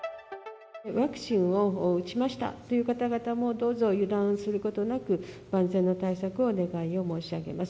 ワクチンを打ちましたという方々も、どうぞ油断することなく、万全の対策をお願い申し上げます。